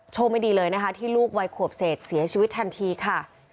ไม่ดีเลยนะคะที่ลูกวัยขวบเศษเสียชีวิตทันทีค่ะ